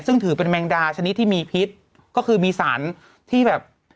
ซึ่งถือเป็นแมงดาชนิดที่มีพิษก็คือมีสารที่แบบ